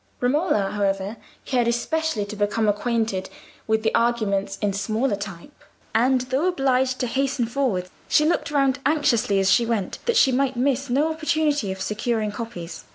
Romola, however, cared especially to become acquainted with the arguments in smaller type, and, though obliged to hasten forward, she looked round anxiously as she went that she might miss no opportunity of securing copies.